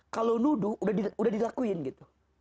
kalau nuduh udah dilakuin gitu